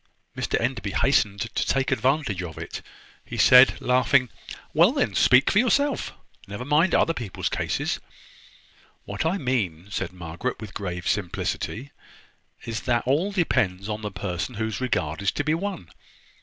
Mr Enderby hastened to take advantage of it. He said, laughing: "Well, then, speak for yourself. Never mind other people's case." "What I mean," said Margaret, with grave simplicity, "is, that all depends upon the person whose regard is to be won.